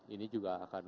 ini juga akan